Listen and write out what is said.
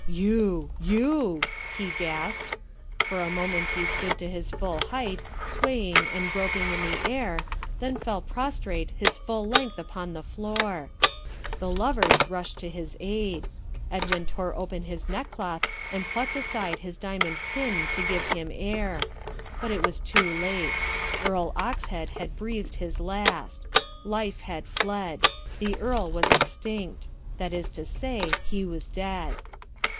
"You! You!" he gasped. For a moment he stood to his full height, swaying and groping in the air, then fell prostrate his full length upon the floor. The lovers rushed to his aid. Edwin tore open his neckcloth and plucked aside his diamond pin to give him air. But it was too late. Earl Oxhead had breathed his last. Life had fled. The earl was extinct. That is to say, he was dead.